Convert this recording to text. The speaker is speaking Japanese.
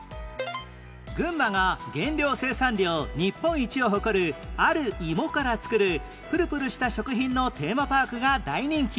群馬が原料生産量日本一を誇るあるイモから作るプルプルした食品のテーマパークが大人気